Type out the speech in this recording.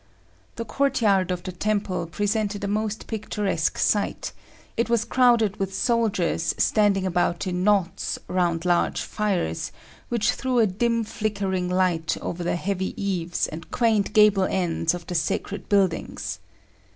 The courtyard of the temple presented a most picturesque sight; it was crowded with soldiers standing about in knots round large fires, which threw a dim flickering light over the heavy eaves and quaint gable ends of the sacred buildings.